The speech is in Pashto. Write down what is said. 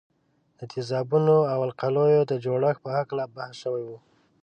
د تیزابونو او القلیو د جوړښت په هکله بحث شوی وو.